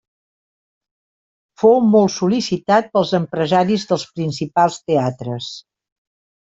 Fou molt sol·licitat pels empresaris dels principals teatres.